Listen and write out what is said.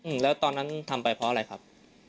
หรือตอนนั้นทำไปเพราะอะไรครับ